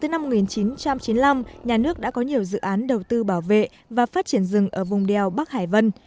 năm một nghìn chín trăm chín mươi năm nhà nước đã có nhiều dự án đầu tư bảo vệ và phát triển rừng ở vùng đèo bắc hải vân